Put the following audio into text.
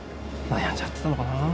悩んじゃってたのかな。